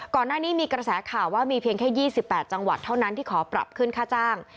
ก่อนหน้านี้มีกระแสข่าวว่ามีเพียงแค่๒๘จังหวัดเท่านั้นที่ขอปรับขึ้นค่าจ้าง